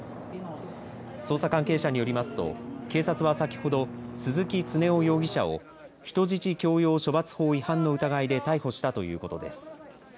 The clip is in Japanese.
捜査関係者によりますと警察は先ほど鈴木常雄容疑者を人質強要処罰法違反の疑いで逮捕したということです。